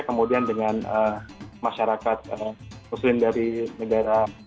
kemudian dengan masyarakat muslim dari negara